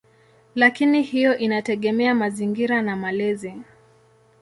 Lakini hiyo inategemea mazingira na malezi.